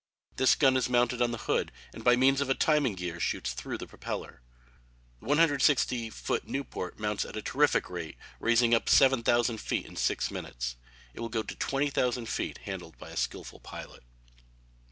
This gun is mounted on the hood and by means of a timing gear shoots through the propeller. The 160 foot Nieuport mounts at a terrific rate, rising to 7,000 feet in six minutes. It will go to 20,000 feet handled by a skillful pilot.